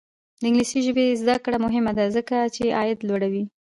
د انګلیسي ژبې زده کړه مهمه ده ځکه چې عاید لوړوي.